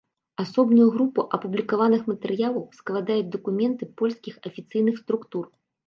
Асобную групу апублікаваных матэрыялаў складаюць дакументы польскіх афіцыйных структур.